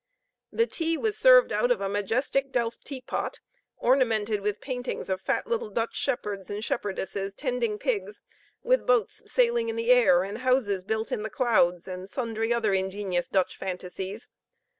The tea was served out of a majestic delf teapot, ornamented with paintings of fat little Dutch shepherds and shepherdesses, tending pigs, with boats sailing in the air, and houses built in the clouds, and sundry other ingenious Dutch fantasies.